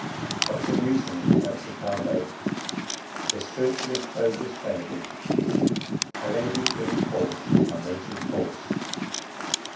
DR. NEWTON AT CHICAGO. THE SPIRITUALIST BOGUS BABY. A LADY BRINGS FORTH A MOTIVE FORCE.